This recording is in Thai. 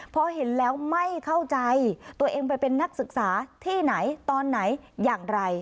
พอเห็นแล้วไม่เข้าใจตัวเองไปเป็นนักศึกษาที่ไหนตอนไหนอย่างไร